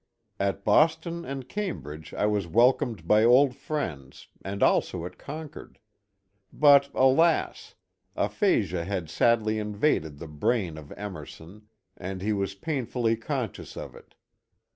At Boston and Cambridge I was welcomed by old friends, and also at Concord; but, alas! aphasia had sadly invaded the brain of Emerson, and he was painfully conscious of it.